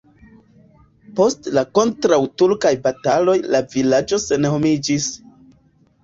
Post la kontraŭturkaj bataloj la vilaĝo senhomiĝis.